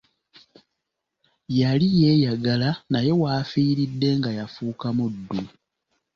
Yali yeeyagala naye w'afiiridde nga yafuuka muddu.